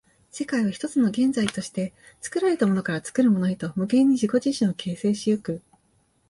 世界は一つの現在として、作られたものから作るものへと無限に自己自身を形成し行く。